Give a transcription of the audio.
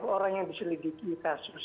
orang yang diselidiki kasus